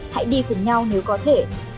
hãy đi cùng nhau nếu có thể